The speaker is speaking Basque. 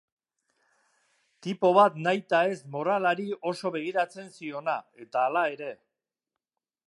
Tipo bat nahitaez moralari oso begiratzen ziona, eta hala ere.